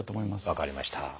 分かりました。